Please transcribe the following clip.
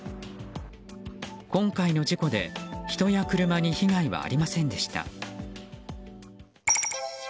今回の事故で人や車に被害はありませんでした。